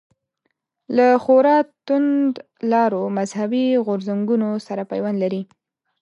له خورا توندلارو مذهبي غورځنګونو سره پیوند لري.